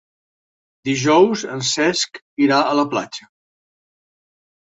Dijous en Cesc irà a la platja.